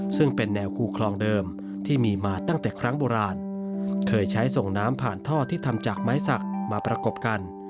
ซึ่งเป็นแนวคูคลองเดิมที่มีมาตั้งแต่ครั้งโบราณเคยใช้ส่งน้ำผ่านท่อที่ทำจากไม้สักมาประกบกัน